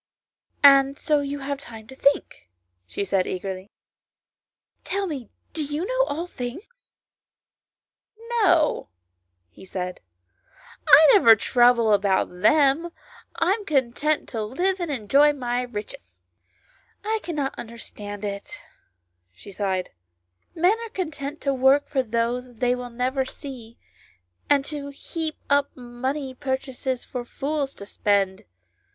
" And so you have time to think," she said eagerly. " Tell me, do you know all things ?"" No," he said, " I never trouble about them ; I am content to live and enjoy my riches." 66 ANYHOW STORIES. [STORY " I cannot understand it," she sighed ;" men are content to work for those they will never see, and to heap up money perchance for fools to spend.